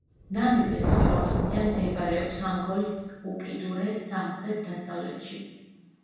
ნამიბეს პროვინცია მდებარეობს ანგოლის უკიდურეს სამხრეთ-დასავლეთში.